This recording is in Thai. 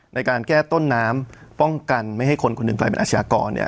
ในการแก้ต้นน้ำป้องกันไม่ให้คนคนหนึ่งกลายเป็นอาชญากรเนี่ย